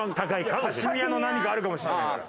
カシミヤの何かあるかもしれないから。